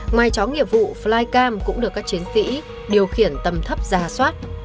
ngoài chó nghiệp vụ flycam cũng được các chiến sĩ điều khiển tầm thấp ra soát